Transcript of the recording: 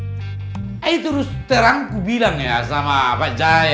saya terus terang berbicara dengan pak jaya